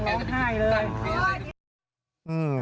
โทรเมียทิ้งเลยนั่งร้องไห้เลย